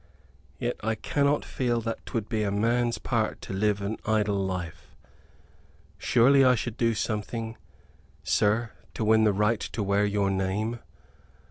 Yet I cannot feel that 'twould be a man's part to live an idle life. Surely I should do something, sir, to win the right to wear your name?